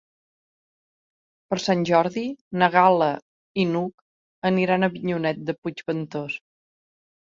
Per Sant Jordi na Gal·la i n'Hug aniran a Avinyonet de Puigventós.